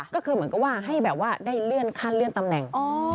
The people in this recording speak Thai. ก็คือเหมือนกับว่าให้แบบว่าได้เลื่อนขั้นเลื่อนตำแหน่ง